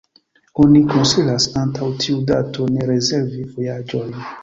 Oni konsilas antaŭ tiu dato ne rezervi vojaĝojn.